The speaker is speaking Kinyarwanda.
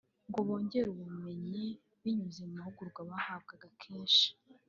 ngo bongerewe ubumenyi binyuze mu mahugurwa bahabwaga kenshi